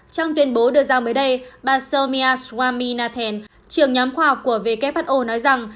trong tuyên bố đưa ra mới đây bà soumya swaminathan trường nhóm khoa học của who nói rằng